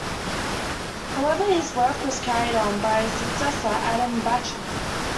However, his work was carried on by his successor Adam Baćan.